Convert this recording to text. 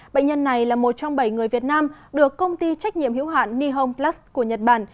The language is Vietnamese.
bệnh nhân này là một trong bảy người việt nam được công ty trách nhiệm hữu hạn nihon plus của nhật bản